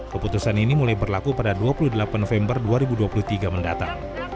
keputusan ini mulai berlaku pada dua puluh delapan november dua ribu dua puluh tiga mendatang